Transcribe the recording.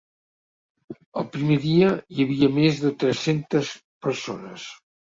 El primer dia hi havia més de tres-centes persones.